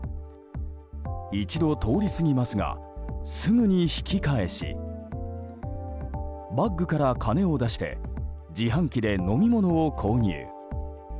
一度通り過ぎますがすぐに引き返しバッグから金を出して自販機で飲み物を購入。